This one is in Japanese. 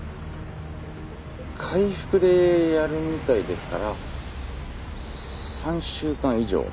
開腹でやるみたいですから３週間以上は。